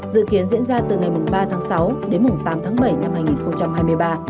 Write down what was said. dự kiến diễn ra từ ngày ba tháng sáu đến tám tháng bảy năm hai nghìn hai mươi ba